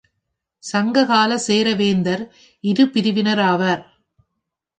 சங்க காலச் சேரவேந்தர் இருபிரிவினராவர்.